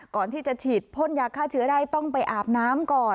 ก่อนที่จะฉีดพ่นยาฆ่าเชื้อได้ต้องไปอาบน้ำก่อน